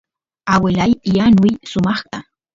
aguelay yanuy sumaqta